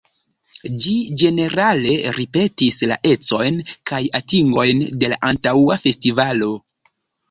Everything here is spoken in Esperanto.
Ĝi ĝenerale ripetis la ecojn kaj atingojn de la antaŭa festivalo.